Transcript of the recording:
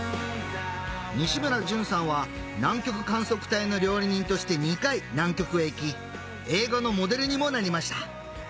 西村淳さんは南極観測隊の料理人として２回南極へ行き映画のモデルにもなりました